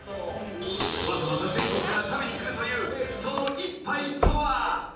［わざわざ全国から食べに来るというその一杯とは］